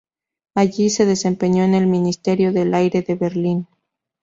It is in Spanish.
Allí, se desempeñó en el Ministerio del Aire de Berlín.